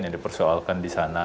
yang dipersoalkan di sana